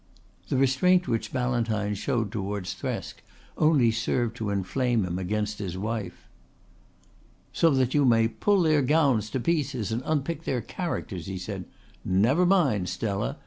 The restraint which Ballantyne showed towards Thresk only served to inflame him against his wife. "So that you may pull their gowns to pieces and unpick their characters," he said. "Never mind, Stella!